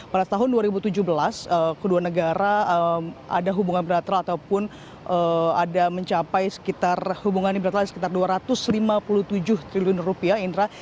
pada tahun dua ribu tujuh belas kedua negara ada hubungan bilateral ataupun ada mencapai sekitar hubungannya bilateral sekitar dua ratus lima puluh tujuh triliun rupiah indra